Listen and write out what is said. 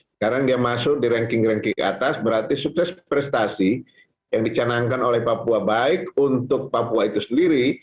sekarang dia masuk di ranking ranking ke atas berarti sukses prestasi yang dicanangkan oleh papua baik untuk papua itu sendiri